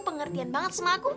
pengertian banget sama aku